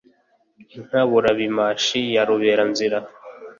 inkaburabimashi ya ruberanziza,